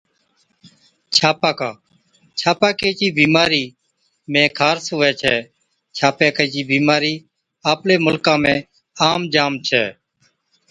ڇاپاڪا Urticaria، ڇاپاڪي چِي بِيمارِي ۾ خارس هُوَي ڇَي، ڇاپاڪي چِي بِيمارِي آپلي مُلڪا ۾ عام جام ڇَي۔